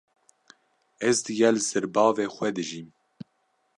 Ez digel zirbavê xwe dijîm.